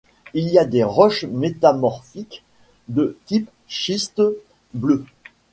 Il y a des roches métamorphiques de type schiste bleu.